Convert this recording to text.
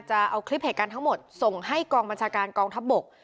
จะเอาคลิปเหตุการณ์ทั้งหมดส่งให้กองบัญชาการกองทัพบก